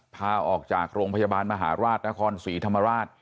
พาออกจากโรงพยาบาลมหาราชนคร